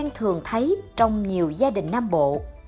như thường thấy trong nhiều gia đình nam bộ